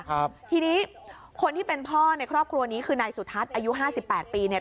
ครับทีนี้คนที่เป็นพ่อในครอบครัวนี้คือนายสุทัศน์อายุห้าสิบแปดปีเนี่ย